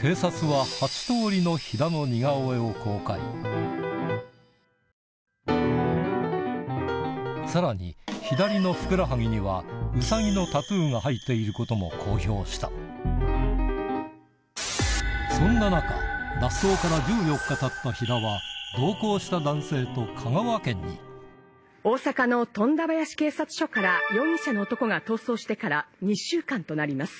警察は田のさらに左のふくらはぎにはウサギのタトゥーが入っていることも公表したそんな中脱走から１４日たった田は同行した男性と香川県に大阪の富田林警察署から容疑者の男が逃走してから２週間となります。